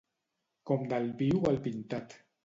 Com del viu al pintat.